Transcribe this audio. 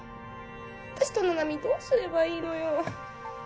私と七海どうすればいいのよ！？